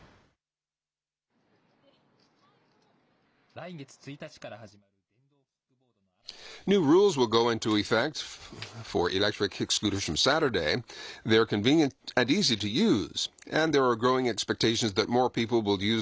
来月１日から始まる電動キックボードの新たな制度。